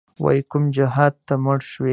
وایې کوم جهادته مړ شوی، ځواب وایه چی ځندیږی